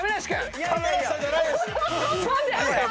亀梨さんじゃないです。